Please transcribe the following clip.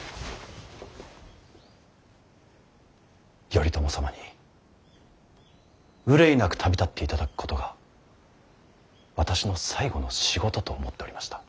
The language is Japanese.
頼朝様に憂いなく旅立っていただくことが私の最後の仕事と思っておりました。